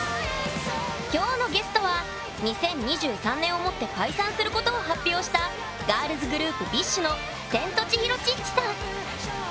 今日のゲストは２０２３年をもって解散することを発表したガールズグループＢｉＳＨのセントチヒロ・チッチさん。